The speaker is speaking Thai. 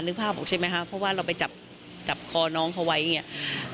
นึกภาพออกใช่ไหมคะเพราะว่าเราไปจับจับคอน้องเขาไว้อย่างนี้